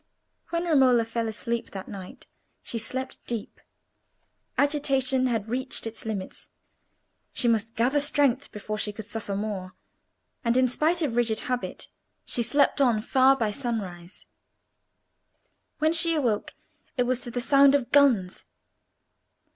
When Romola fell asleep that night, she slept deep. Agitation had reached its limits; she must gather strength before she could suffer more; and, in spite of rigid habit, she slept on far beyond sunrise. When she awoke, it was to the sound of guns.